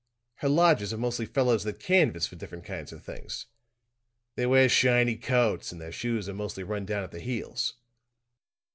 Her lodgers are mostly fellows that canvass for different kinds of things; they wear shiny coats and their shoes are mostly run down at the heels.